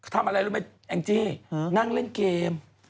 ทำอะไรรู้ไหมแองจี้นั่งเล่นเกม